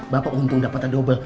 bapak untung dapet adobel